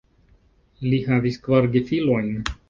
Li havis kvar gefilojn.